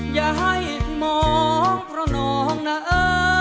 อย่าให้มองเพราะน้องนะเออ